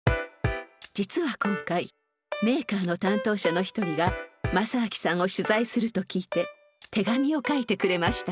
実は今回メーカーの担当者の一人が政昭さんを取材すると聞いて手紙を書いてくれました。